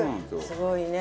すごいね。